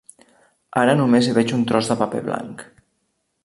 Ara només hi veig un tros de paper blanc.